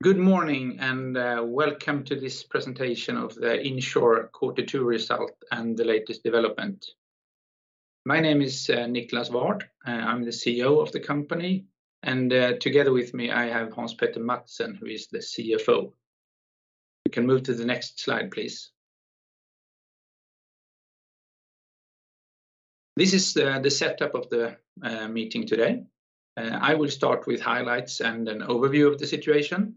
Good morning, welcome to this presentation of the Insr quarter two result and the latest development. My name is Niclas Ward. I'm the CEO of the company, and together with me, I have Hans Petter Madsen, who is the CFO. We can move to the next slide, please. This is the setup of the meeting today. I will start with highlights and an overview of the situation,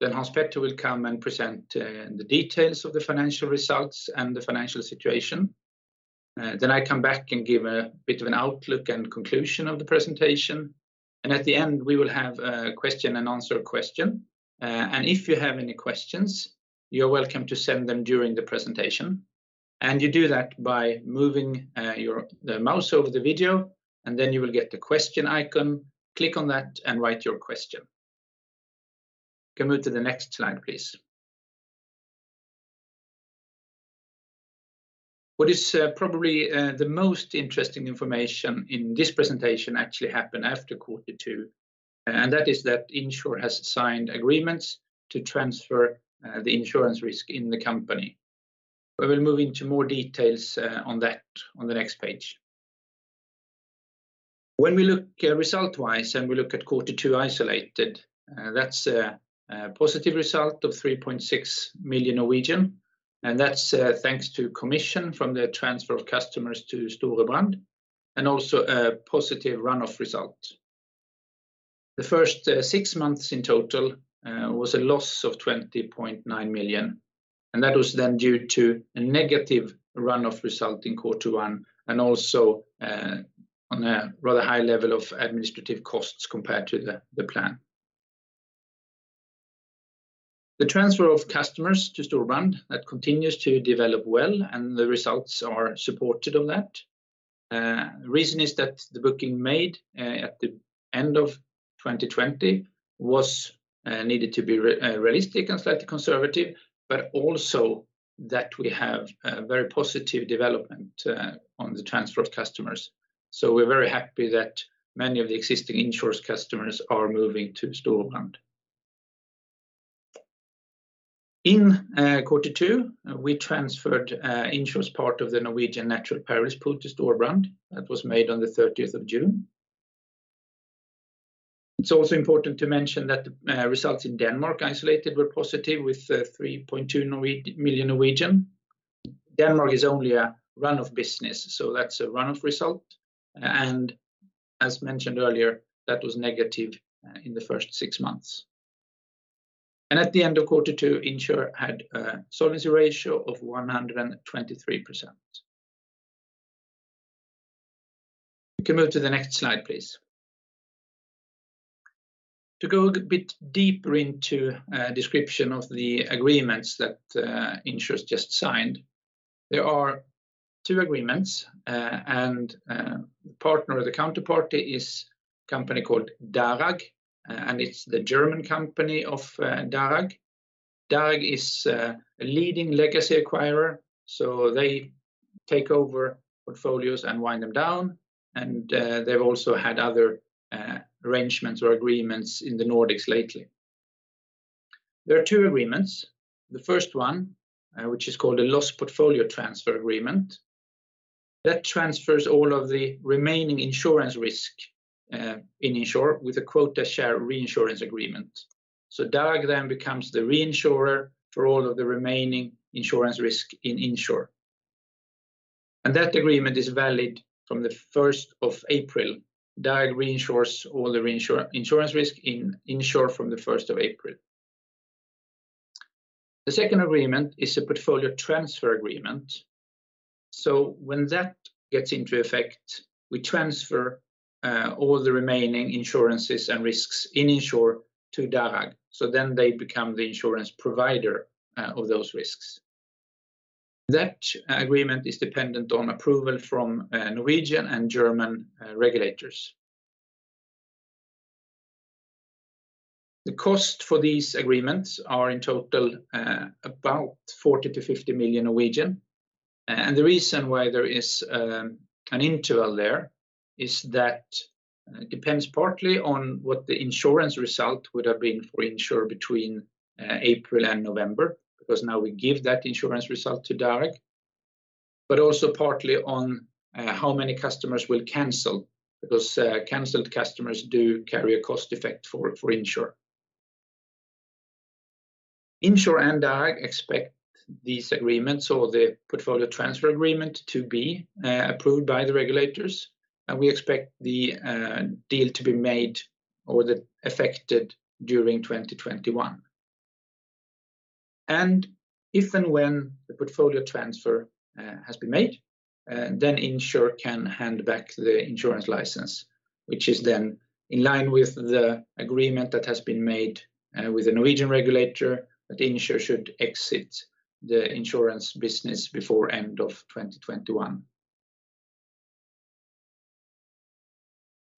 then Hans Petter will come and present the details of the financial results and the financial situation. I come back and give a bit of an outlook and conclusion of the presentation. At the end, we will have a question-and-answer question. If you have any questions, you are welcome to send them during the presentation. You do that by moving the mouse over the video, and then you will get the question icon. Click on that and write your question. Can move to the next slide, please. What is probably the most interesting information in this presentation actually happened after quarter two, and that is that Insr has signed agreements to transfer the insurance risk in the company. We will move into more details on that on the next page. We look result-wise and we look at quarter two isolated, that's a positive result of 3.6 million. That's thanks to commission from the transfer of customers to Storebrand and also a positive run-off result. The first six months in total was a loss of 20.9 million, and that was then due to a negative run-off result in quarter one and also on a rather high level of administrative costs compared to the plan. The transfer of customers to Storebrand, that continues to develop well, and the results are supported on that. The reason is that the booking made at the end of 2020 was needed to be realistic and slightly conservative, but also that we have a very positive development on the transfer of customers. We're very happy that many of the existing Insr customers are moving to Storebrand. In quarter two, we transferred Insr's part of the Norwegian Natural Perils Pool to Storebrand. That was made on the 30th of June. It's also important to mention that the results in Denmark isolated were positive with 3.2 million. Denmark is only a run-off business, so that's a run-off result. As mentioned earlier, that was negative in the first six months. At the end of quarter two, Insr had a solvency ratio of 123%. We can move to the next slide, please. To go a bit deeper into a description of the agreements that Insr's just signed, there are two agreements. Partner of the counterparty is a company called DARAG, and it's the German company of DARAG. DARAG is a leading legacy acquirer, so they take over portfolios and wind them down, and they've also had other arrangements or agreements in the Nordics lately. There are two agreements. The first one, which is called a loss portfolio transfer agreement, that transfers all of the remaining insurance risk in Insr with a quota share reinsurance agreement. DARAG then becomes the reinsurer for all of the remaining insurance risk in Insr. That agreement is valid from the 1st of April. DARAG reinsures all the insurance risk in Insr from the 1st of April. The second agreement is a portfolio transfer agreement. When that gets into effect, we transfer all the remaining insurances and risks in Insr to DARAG, then they become the insurance provider of those risks. That agreement is dependent on approval from Norwegian and German regulators. The cost for these agreements are in total about 40 million-50 million. The reason why there is an interval there is that depends partly on what the insurance result would have been for Insr between April and November. Now we give that insurance result to DARAG, but also partly on how many customers will cancel, because canceled customers do carry a cost effect for Insr. Insr and DARAG expect these agreements or the portfolio transfer agreement to be approved by the regulators. We expect the deal to be made or affected during 2021. If and when the portfolio transfer has been made, then Insr can hand back the insurance license, which is then in line with the agreement that has been made with the Norwegian regulator, that Insr should exit the insurance business before end of 2021.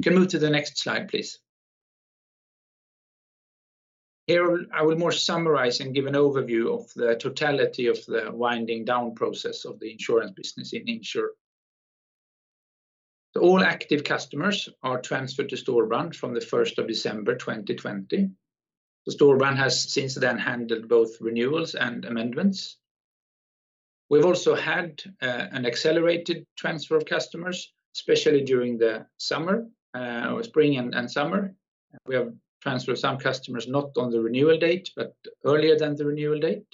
We can move to the next slide, please. Here, I will more summarize and give an overview of the totality of the winding down process of the insurance business in Insr. All active customers are transferred to Storebrand from the 1st of December 2020. Storebrand has since then handled both renewals and amendments. We've also had an accelerated transfer of customers, especially during the spring and summer. We have transferred some customers not on the renewal date, but earlier than the renewal date.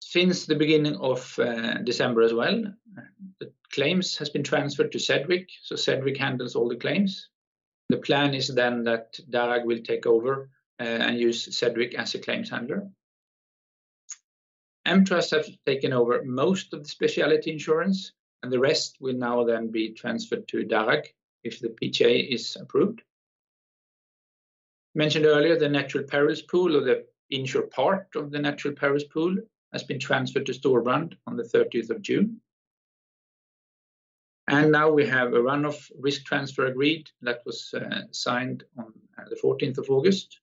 Since the beginning of December as well, the claims has been transferred to Sedgwick. Sedgwick handles all the claims. The plan is that DARAG will take over and use Sedgwick as a claims handler. AmTrust have taken over most of the specialty insurance, the rest will now then be transferred to DARAG if the PTA is approved. Mentioned earlier, the natural perils pool or the Insr part of the natural perils pool, has been transferred to Storebrand on the 30th of June. Now we have a run-off risk transfer agreed that was signed on the 14th of August.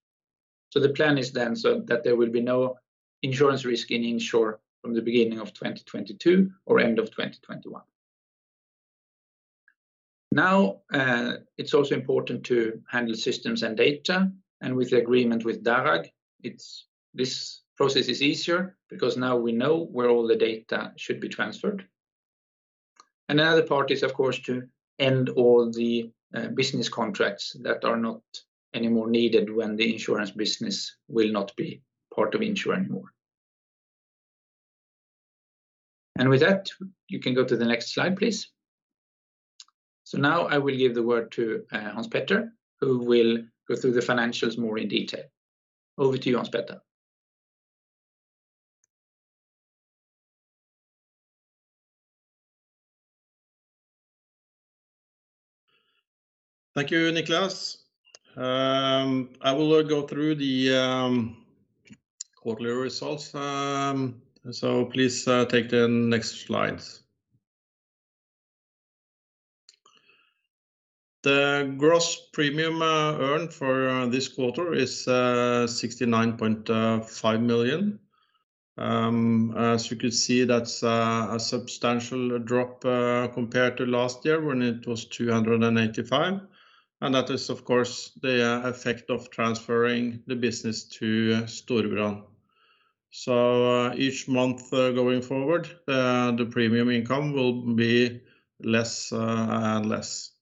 The plan is then so that there will be no insurance risk in Insr from the beginning of 2022 or end of 2021. It's also important to handle systems and data, and with the agreement with DARAG, this process is easier because now we know where all the data should be transferred. Another part is, of course, to end all the business contracts that are not anymore needed when the insurance business will not be part of Insr anymore. With that, you can go to the next slide, please. Now I will give the word to Hans Petter, who will go through the financials more in detail. Over to you, Hans Petter. Thank you, Niclas. I will go through the quarterly results. Please take the next slides. The gross premium earned for this quarter is 69.5 million. As you could see, that's a substantial drop compared to last year when it was 285 million, and that is, of course, the effect of transferring the business to Storebrand. Each month going forward, the premium income will be less and less.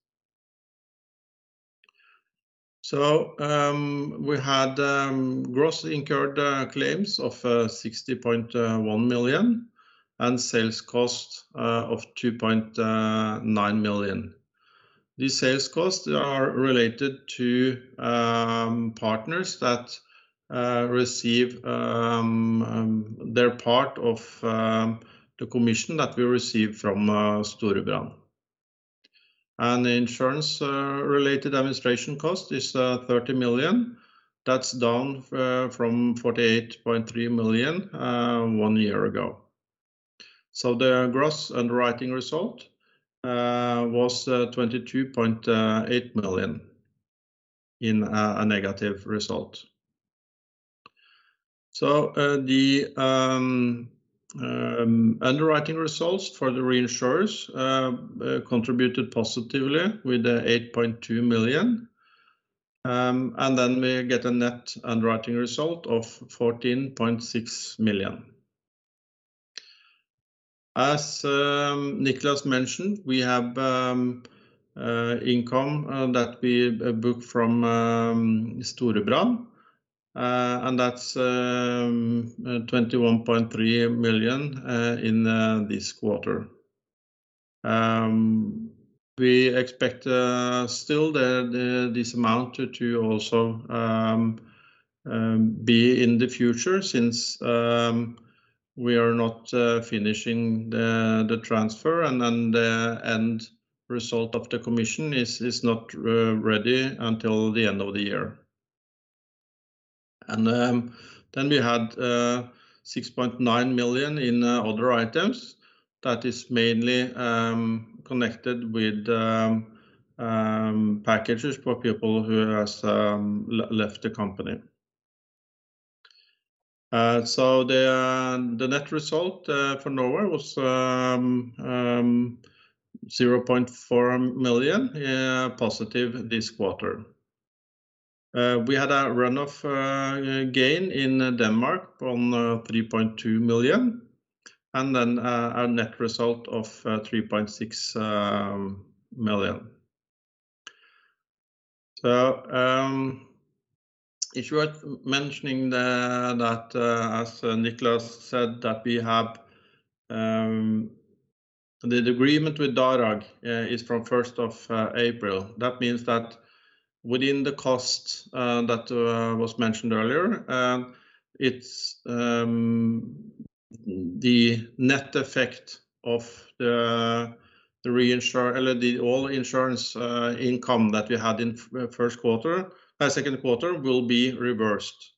We had gross incurred claims of 60.1 million and sales cost of 2.9 million. These sales costs are related to partners that receive their part of the commission that we receive from Storebrand. The insurance-related administration cost is 30 million. That's down from 48.3 million one year ago. The gross underwriting result was 22.8 million in a negative result. The underwriting results for the reinsurers contributed positively with 8.2 million. We get a net underwriting result of 14.6 million. As Niclas mentioned, we have income that we book from Storebrand, and that's 21.3 million in this quarter. We expect still this amount to also be in the future since we are not finishing the transfer and result of the commission is not ready until the end of the year. We had 6.9 million in other items that is mainly connected with packages for people who has left the company. The net result for Norway was 0.4 million positive this quarter. We had a run-off gain in Denmark on 3.2 million, a net result of 3.6 million. It's worth mentioning that as Niclas said that we have the agreement with DARAG is from 1st of April. That means that within the cost that was mentioned earlier, the net effect of all insurance income that we had in second quarter will be reversed.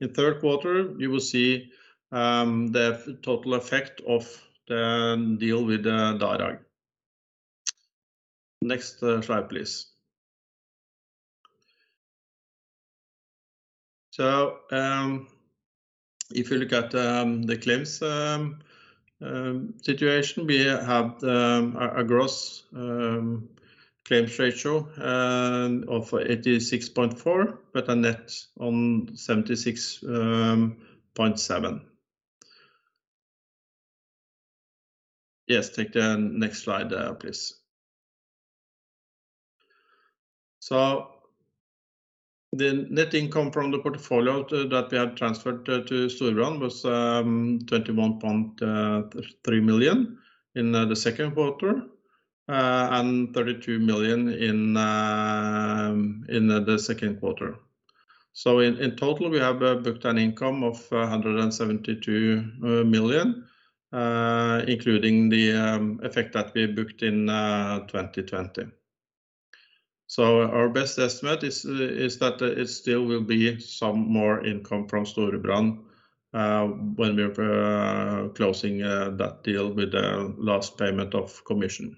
In third quarter, you will see the total effect of the deal with DARAG. Next slide, please. If you look at the claims situation, we had a gross claims ratio of 86.4%, but a net on 76.7%. Yes, take the next slide, please. The net income from the portfolio that we had transferred to Storebrand was 21.3 million in the second quarter, and 32 million in the second quarter. In total, we have booked an income of 172 million, including the effect that we booked in 2020. Our best estimate is that it still will be some more income from Storebrand when we are closing that deal with the last payment of commission.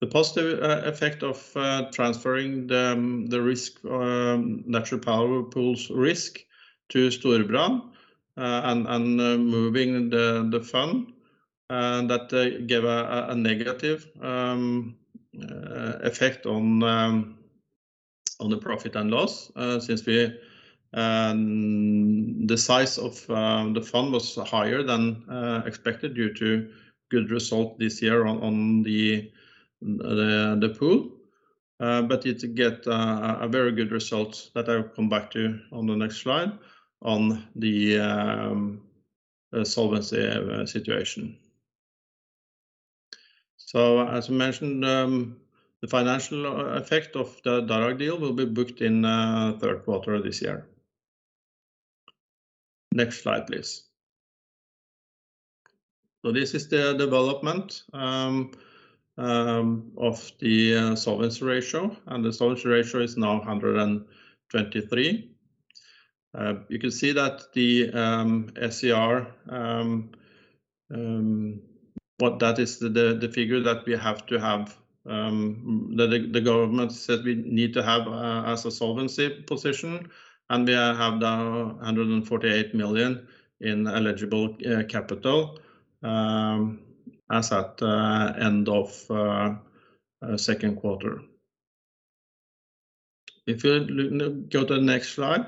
The positive effect of transferring the Natural Perils Pool's risk to Storebrand, and moving the fund, that gave a negative effect on the profit and loss, since the size of the fund was higher than expected due to good result this year on the pool. It got a very good result that I will come back to on the next slide on the solvency situation. As mentioned, the financial effect of the DARAG deal will be booked in third quarter this year. Next slide, please. This is the development of the solvency ratio, and the solvency ratio is now 123%. You can see that the SCR, that is the figure that the government said we need to have as a solvency position, and we have now 148 million in eligible capital as at end of second quarter. If you go to the next slide,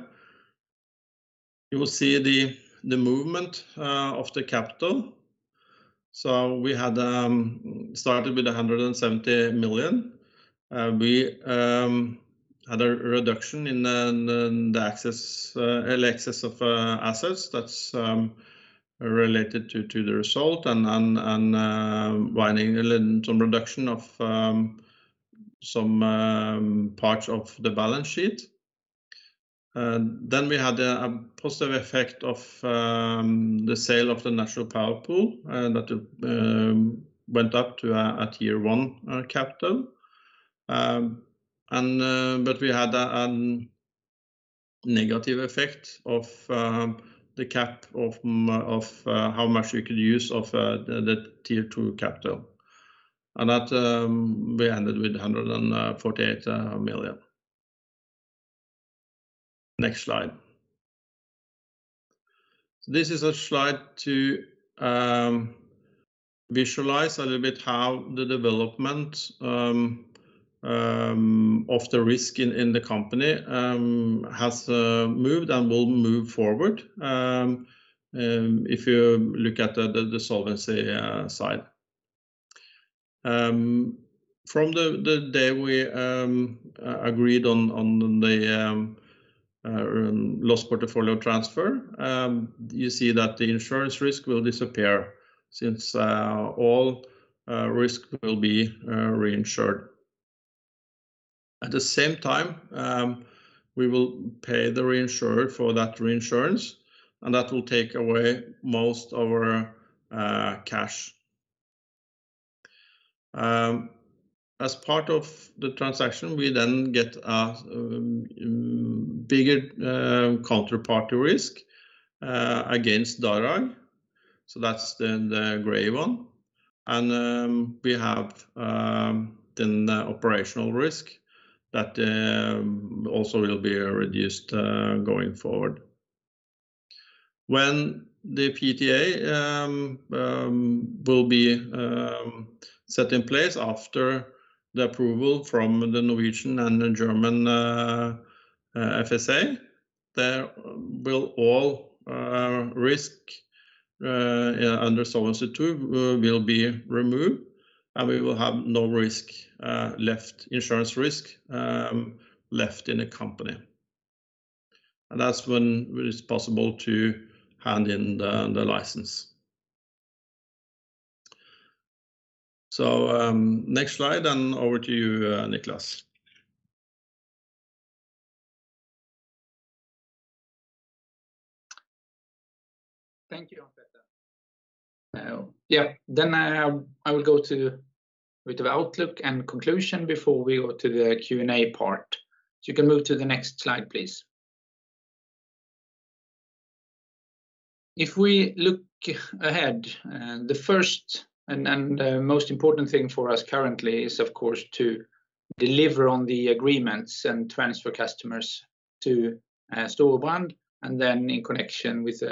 you will see the movement of the capital. We had started with 170 million. We had a reduction in the excess of assets that's related to the result, and some reduction of some parts of the balance sheet. We had a positive effect of the sale of the natural perils pool that went up to our Tier 1 capital. We had a negative effect of the cap of how much we could use of the Tier 2 capital. That we ended with 148 million. Next slide. This is a slide to visualize a little bit how the development of the risk in the company has moved and will move forward, if you look at the solvency side. From the day we agreed on the loss portfolio transfer, you see that the insurance risk will disappear since all risk will be reinsured. At the same time, we will pay the reinsurer for that reinsurance, that will take away most of our cash. As part of the transaction, we get a bigger counterparty risk against DARAG. That's the gray one. We have the operational risk that also will be reduced going forward. When the PTA will be set in place after the approval from the Norwegian and the German FSA, there will all risk under Solvency II will be removed, we will have no insurance risk left in the company. That's when it is possible to hand in the license. Next slide, over to you, Niclas. Thank you. I will go to a bit of outlook and conclusion before we go to the Q&A part. You can move to the next slide, please. If we look ahead, the first and most important thing for us currently is, of course, to deliver on the agreements and transfer customers to Storebrand, and then in connection with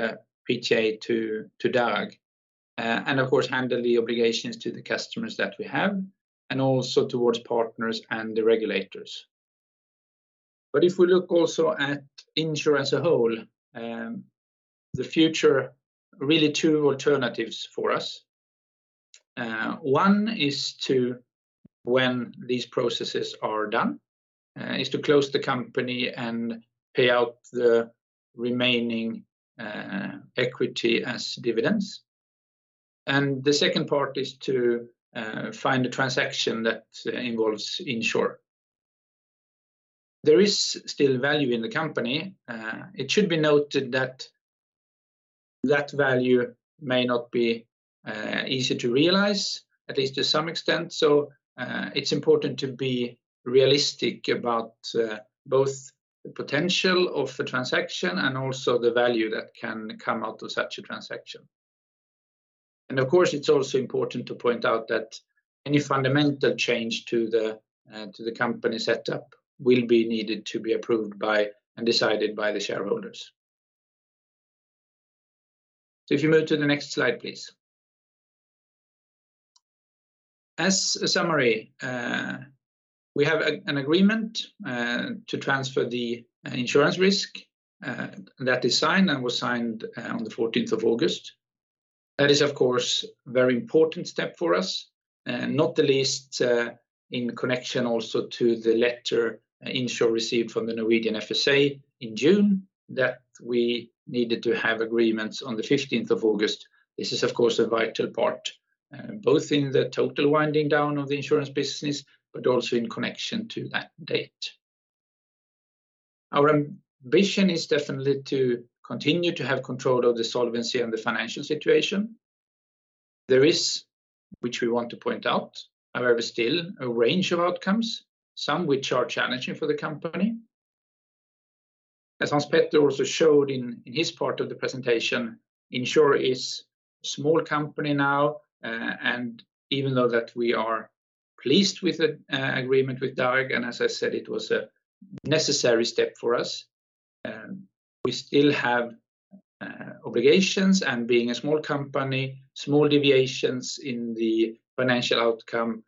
PTA to DARAG. Of course, handle the obligations to the customers that we have, and also towards partners and the regulators. If we look also at Insr as a whole, the future, really two alternatives for us. One, when these processes are done, is to close the company and pay out the remaining equity as dividends. The second part is to find a transaction that involves Insr. There is still value in the company. It should be noted that value may not be easy to realize, at least to some extent. It's important to be realistic about both the potential of the transaction and also the value that can come out of such a transaction. Of course, it's also important to point out that any fundamental change to the company setup will be needed to be approved by and decided by the shareholders. If you move to the next slide, please. As a summary, we have an agreement to transfer the insurance risk. That is signed and was signed on the 14th of August. That is, of course, a very important step for us, not the least in connection also to the letter Insr received from the Norwegian FSA in June, that we needed to have agreements on the 15th of August. This is, of course, a vital part, both in the total winding down of the insurance business, but also in connection to that date. Our ambition is definitely to continue to have control of the solvency and the financial situation. There is, which we want to point out, however, still a range of outcomes, some which are challenging for the company. As Hans Petter also showed in his part of the presentation, Insr is a small company now. Even though that we are pleased with the agreement with DARAG, and as I said, it was a necessary step for us, we still have obligations. Being a small company, small deviations in the financial outcome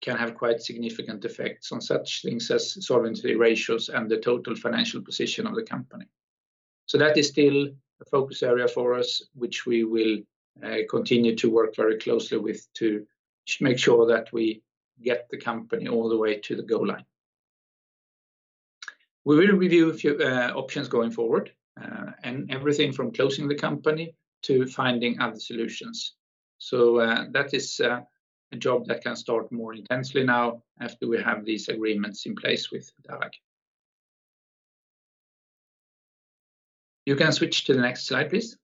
can have quite significant effects on such things as solvency ratios and the total financial position of the company. That is still a focus area for us, which we will continue to work very closely with to make sure that we get the company all the way to the goal line. We will review a few options going forward, and everything from closing the company to finding other solutions. That is a job that can start more intensely now after we have these agreements in place with DARAG. You can switch to the next slide, please.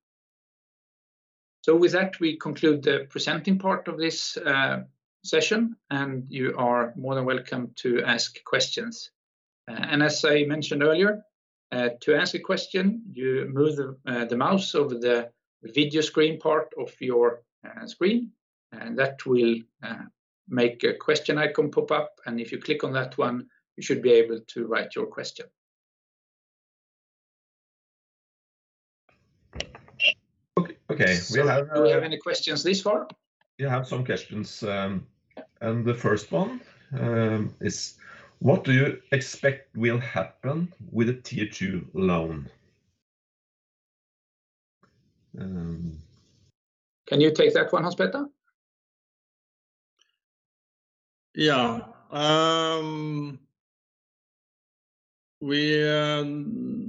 With that, we conclude the presenting part of this session, and you are more than welcome to ask questions. As I mentioned earlier, to ask a question, you move the mouse over the video screen part of your screen, and that will make a question icon pop up. If you click on that one, you should be able to write your question. Okay. Do we have any questions this far? We have some questions. The first one is, what do you expect will happen with the Tier 2 loan? Can you take that one, Hans Petter? Yeah.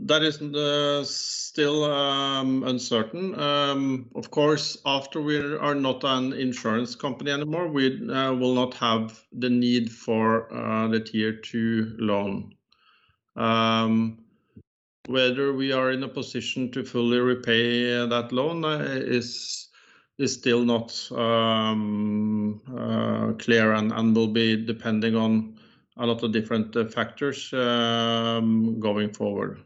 That is still uncertain. Of course, after we are not an insurance company anymore, we will not have the need for the Tier 2 loan. Whether we are in a position to fully repay that loan is still not clear and will be depending on a lot of different factors going forward.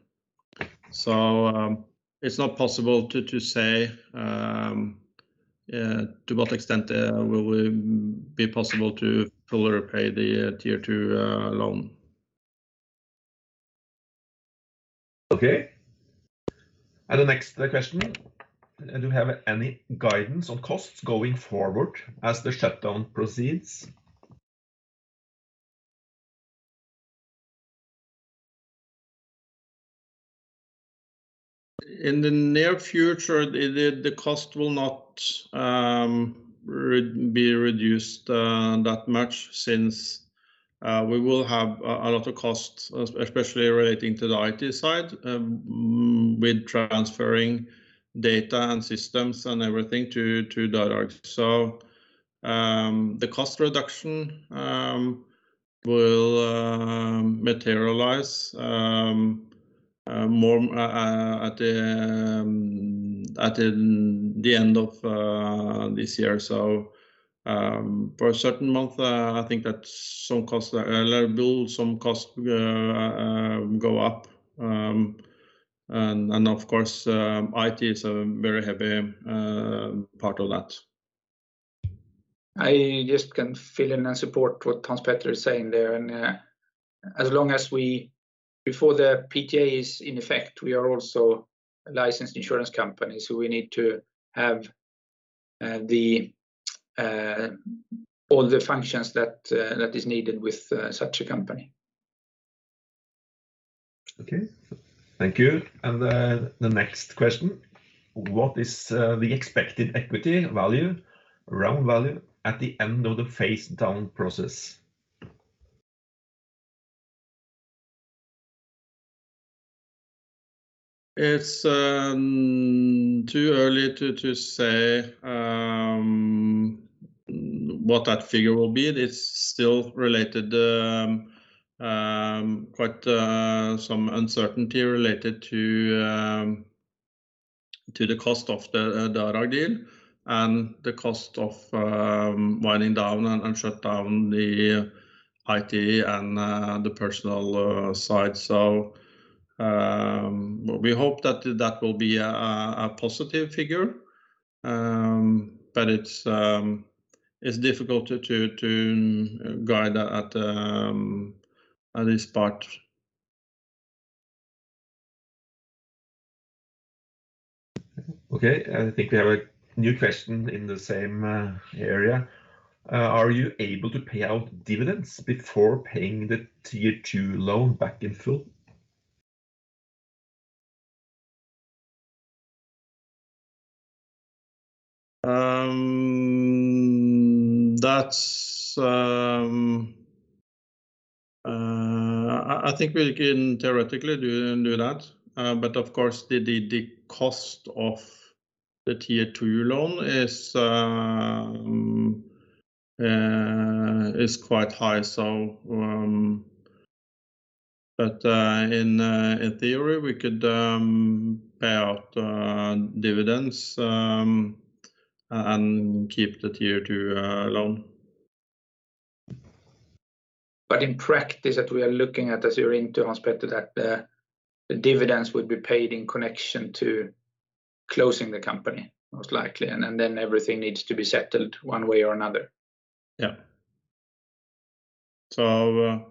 It's not possible to say to what extent will it be possible to fully repay the Tier 2 loan. Okay. The next question, do you have any guidance on costs going forward as the shutdown proceeds? In the near future, the cost will not be reduced that much since we will have a lot of costs, especially relating to the IT side, with transferring data and systems and everything to DARAG. The cost reduction will materialize more at the end of this year. For a certain month, I think that some costs are allowable, some costs go up. Of course, IT is a very heavy part of that. I just can fill in and support what Hans Petter is saying there. Before the PTA is in effect, we are also a licensed insurance company, so we need to have all the functions that is needed with such a company. Thank you. The next question, what is the expected equity value, round value, at the end of the phase down process? It's too early to say what that figure will be. There's still some uncertainty related to the cost of the DARAG deal and the cost of winding down and shut down the IT and the personal side. We hope that that will be a positive figure, but it's difficult to guide at this part. Okay. I think we have a new question in the same area. Are you able to pay out dividends before paying the Tier 2 loan back in full? I think we can theoretically do that. Of course, the cost of the Tier 2 loan is quite high. In theory, we could pay out dividends and keep the Tier 2 loan. In practice, that we are looking at, as you're into, Hans Petter, that the dividends would be paid in connection to closing the company, most likely. Everything needs to be settled one way or another. Yeah. The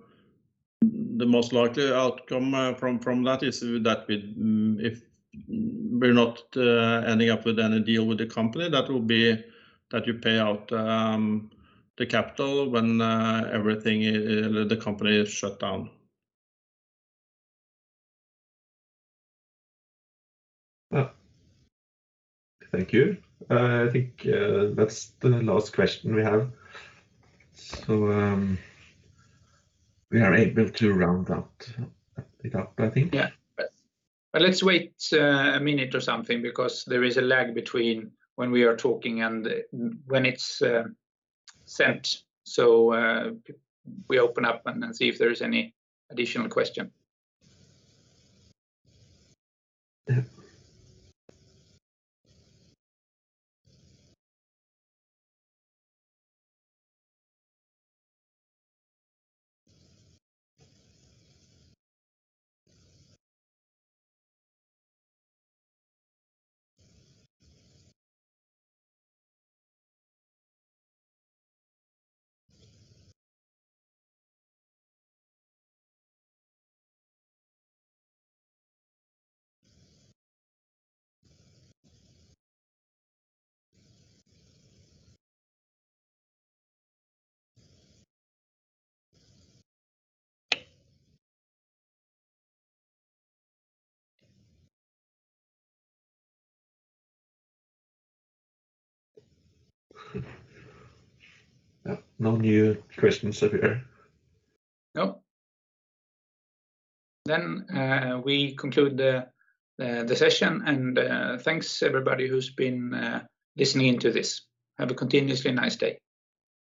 most likely outcome from that is if we're not ending up with any deal with the company, that will be that you pay out the capital when the company is shut down. Thank you. I think that's the last question we have. We are able to round it up, I think. Yeah. Let's wait a minute or something because there is a lag between when we are talking and when it's sent. We open up and see if there is any additional question. Yeah. No new questions appear. No. We conclude the session and thanks everybody who's been listening into this. Have a continuously nice day.